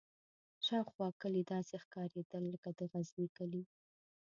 شاوخوا کلي داسې ښکارېدل لکه د غزني کلي.